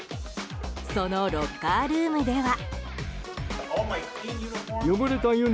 そのロッカールームでは。